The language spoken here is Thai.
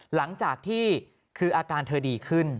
หลังจากที่คืออาการเธอดีขึ้น